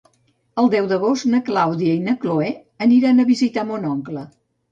El deu d'agost na Clàudia i na Cloè aniran a visitar mon oncle.